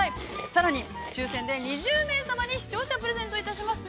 さらに、抽せんで２０名様に視聴者プレゼントいたします。